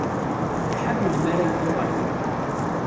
Iḥar melmi ara yeddu ɣer din.